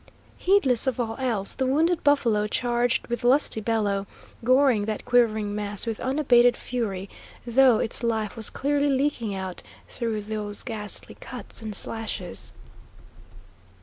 Heedless of all else, the wounded buffalo charged with lusty bellow, goring that quivering mass with unabated fury, though its life was clearly leaking out through those ghastly cuts and slashes.